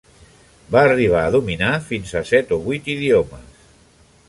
Va arribar a dominar fins a set o vuit idiomes.